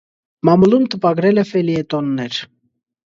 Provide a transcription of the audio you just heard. Մամուլում տպագրել է ֆելիետոններ։